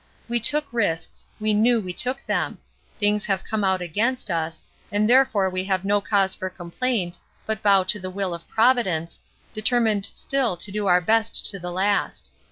We took risks, we knew we took them; things have come out against us, and therefore we have no cause for complaint, but bow to the will of Providence, determined still to do our best to the last.